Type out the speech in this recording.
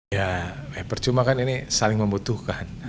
ya percuma kan ini saling membutuhkan